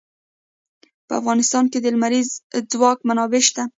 په افغانستان کې د لمریز ځواک منابع شته.